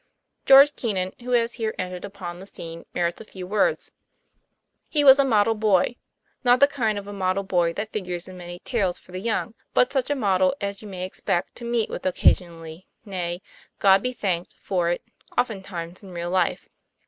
George Keenan, who has here entered upon the scene, merits a few words. He was a model boy ; not the kind of a model boy that figures in many tales for the young; but such a model as you may expect to meet with occasionally, nay God be thanked for it oftentimes in real life.